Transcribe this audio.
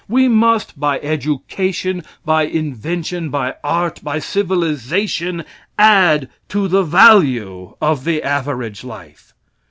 We must, by education, by invention, by art, by civilization, add to the value of the average life.